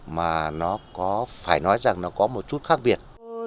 mà nó có phải nói rằng nó có một chút khác biệt